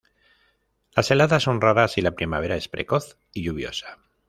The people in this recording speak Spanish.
Las heladas son raras y la primavera es precoz y lluviosa.